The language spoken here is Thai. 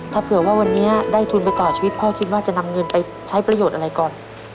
ถ้าเผื่อว่าวันนี้ได้ทุนไปต่อชีวิตพ่อคิดว่าจะนำเงินไปใช้ประโยชน์อะไรก่อน